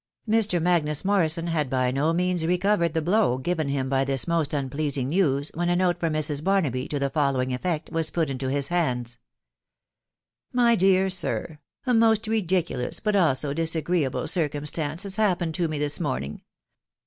Mr. Magnus Morrison had by no means recovered the blow given him by this most unpleasing news, when a note from Mrs. Barnaby, to the following effect, was put into his hands :—" My dear Sir, "A most ridiculous, but also disagreeable circumstance, has happened to me this morning.